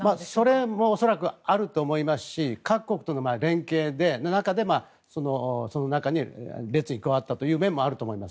それも恐らくあると思いますし各国との連携の中でその中に列に加わったという面もあると思います。